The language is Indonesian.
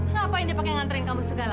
siapa yang dipakai nganterin kamu segala